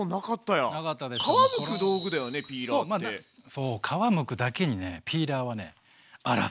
そう皮むくだけにねピーラーはねあらず。